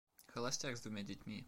Холостяк с двумя детьми.